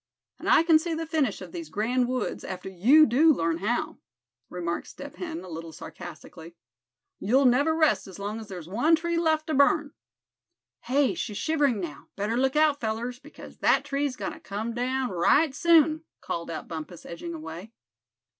"And I can see the finish of these grand woods, after you do learn how," remarked Step Hen, a little sarcastically. "You'll never rest as long as there's one tree left to burn." "Hey, she's shivering, now; better look out, fellers, because that tree's goin' to come down right soon!" called out Bumpus, edging away.